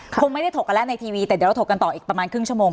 คงไม่ได้ถกกันแล้วในทีวีแต่เดี๋ยวเราถกกันต่ออีกประมาณครึ่งชั่วโมง